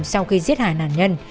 sau khi giết hại nạn nhân